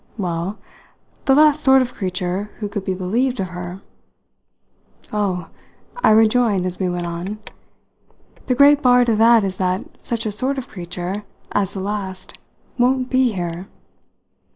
"Well, the last sort of creature who could be believed of her." "Oh," I rejoined as we went on, "the great bar to that is that such a sort of creature as the last won't be here!"